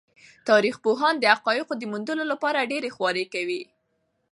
تاریخ پوهان د حقایقو د موندلو لپاره ډېرې خوارۍ کوي.